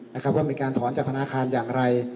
แต่ว่าเป็นการถอนจากธนาคารอย่างไร